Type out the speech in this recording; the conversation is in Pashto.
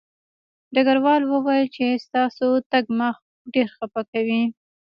ډګروال وویل چې ستاسو تګ ما ډېر خپه کوي